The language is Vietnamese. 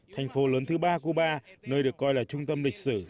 thành phố lớn thứ ba cuba nơi được coi là trung tâm lịch sử